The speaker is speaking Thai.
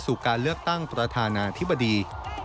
การเลือกตั้งประธานาธิบดี